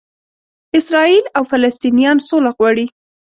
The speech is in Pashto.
اسراییل او فلسطنینان سوله غواړي.